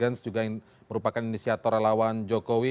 yang juga merupakan inisiator relawan jokowi